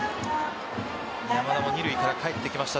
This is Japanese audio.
山田も二塁からかえってきました。